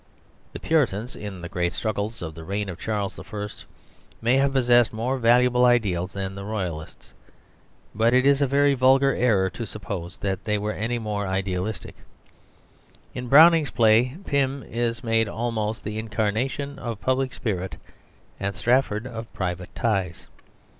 The Puritans in the great struggles of the reign of Charles I. may have possessed more valuable ideals than the Royalists, but it is a very vulgar error to suppose that they were any more idealistic. In Browning's play Pym is made almost the incarnation of public spirit, and Strafford of private ties.